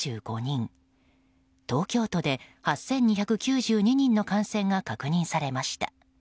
東京都で８２９２人の感染が確認されました。